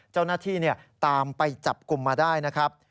เจ้าหน้าที่ตามไปจับกลุ่มมาได้นะครับ